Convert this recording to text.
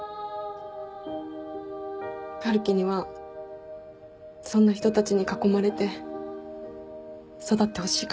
春樹にはそんな人たちに囲まれて育ってほしいから。